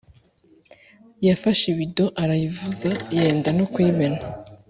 Yafashe ibido arayivuza yenda no kuyimena